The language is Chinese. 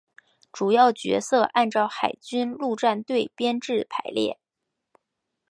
主要角色按照海军陆战队编制排列。